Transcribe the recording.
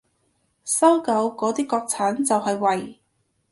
搜狗嗰啲國產就係為